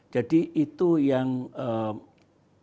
jadi itu yang indonesia inginkan